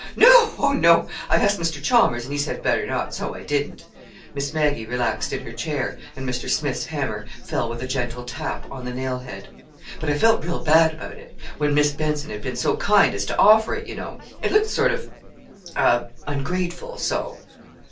"No; oh, no! I asked Mr. Chalmers and he said better not. So I didn't." Miss Maggie relaxed in her chair, and Mr. Smith's hammer fell with a gentle tap on the nail head. "But I felt real bad about it—when Mis' Benson had been so kind as to offer it, you know. It looked sort of—of ungrateful, so."